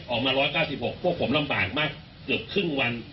ออกมาร้อยเก้าสิบหกพวกผมลำบ่างมากจุดครึ่งวัน